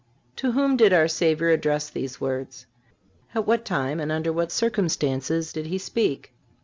To whom did our Savior address these words? At what time and under what circumstances did He speak?